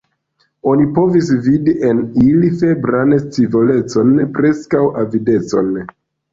Oni povis vidi en ili febran scivolecon, preskaŭ avidecon.